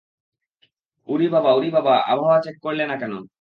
উরি বাবা উরি বাবা, আবহাওয়া চেক করলে না কেন?